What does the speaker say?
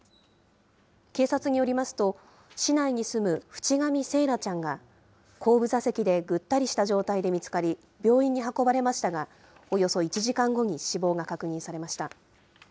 警察によりますと、市内に住む渕上惺愛ちゃんが後部座席でぐったりした状態で見つかり、病院に運ばれましたが、およそ１時間後に死亡が確認されました。